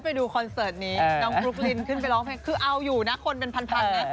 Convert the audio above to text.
ไปดูคอนเสิร์ตนี้น้องฟลุ๊กลินขึ้นไปร้องเพลงคือเอาอยู่นะคนเป็นพันนะ